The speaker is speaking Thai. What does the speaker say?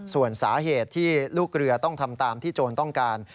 ส่วนสาเหตุที่ลูกเรือต้องทำตามที่โจรต้องการ